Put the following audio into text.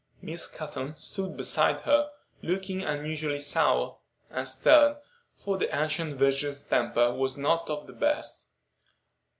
Miss Cotton stood beside her, looking unusually sour and stern, for the ancient virgin's temper was not of the best.